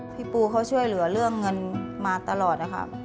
พี่ปูเขาช่วยเหลือเรื่องเงินมาตลอดนะคะ